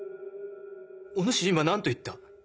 お主今何と言った？